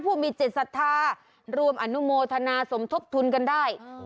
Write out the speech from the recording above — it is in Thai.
ผู้มีเจ็ดสัตว์ภาพรุมอนุโมทนาสมทบทุนกันได้เอ่อ